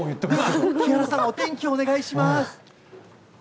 木原さん、お天気お願いします。